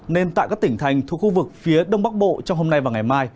nên tại các tỉnh thành thuộc khu vực phía đông bắc bộ trong hôm nay và ngày mai